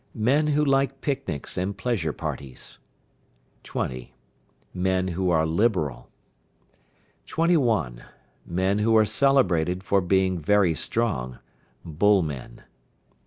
Men who like picnics and pleasure parties. 20. Men who are liberal. 21. Men who are celebrated for being very strong (Bull men).